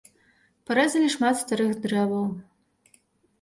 Парэзалі шмат старых дрэваў.